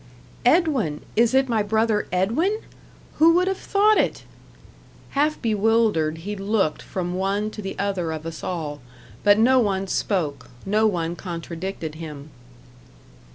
"Edwin, is it my brother Edwin? Who would have thought it?" Half bewildered, he looked from one to the other of us all; but no one spoke, no one contradicted him.